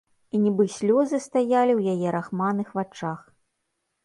І нібы слёзы стаялі ў яе рахманых вачах.